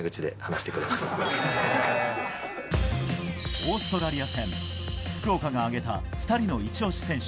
オーストラリア戦福岡が挙げた２人のイチ押し選手。